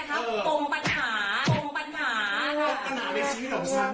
พวกเราต้องเป็นอิสกีโบรามดอกใช่ไหม